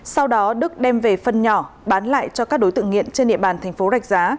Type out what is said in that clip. sau đó đức đem về phân nhỏ bán lại cho các đối tượng nghiện trên địa bàn thành phố rạch giá